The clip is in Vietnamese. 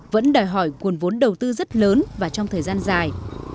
vẫn đòi hỏi nguồn vốn đầu tư rất lớn và trong thời gian dài